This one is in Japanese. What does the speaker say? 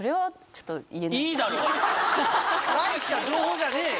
いいだろ大した情報じゃねえよ。